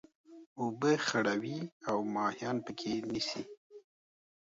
اوبه خړوي او ماهيان پکښي نيسي.